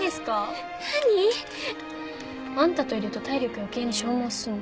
何！？あんたといると体力余計に消耗すんの。